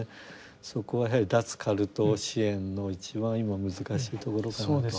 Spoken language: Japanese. そこはやはり脱カルト支援の一番今難しいところかなと。